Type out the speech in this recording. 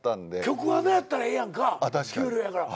局アナやったらええやんか給料やから。